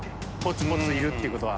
櫃弔櫃いるっていうことは。